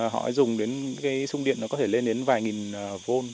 họ dùng đến cái sung điện nó có thể lên đến vài nghìn v